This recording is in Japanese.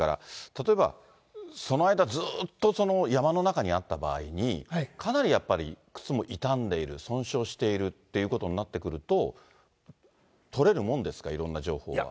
例えば、その間、ずーっと山の中にあった場合に、かなりやっぱり、靴も傷んでいる、損傷しているということになってくると、取れるもんですか、いろんな情報は。